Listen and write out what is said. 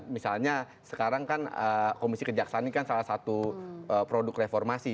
misalnya sekarang kan komisi kejaksaan ini kan salah satu produk reformasi